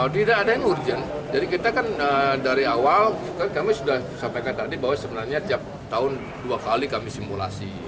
tidak ada yang urgent jadi kita kan dari awal kami sudah sampaikan tadi bahwa sebenarnya tiap tahun dua kali kami simulasi